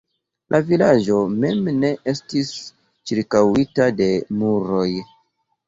La vilaĝo mem ne estis ĉirkaŭita de muroj.